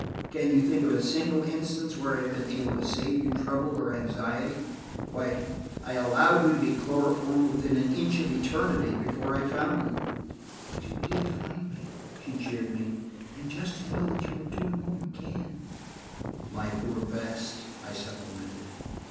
"Can you think of a single instance where I have been able to save you trouble or anxiety? Why, I allowed you to be chloroformed within an inch of eternity, before I found you." "But you did find me," she cheered me. "And just to know that you are doing all you can–" "My poor best." I supplemented.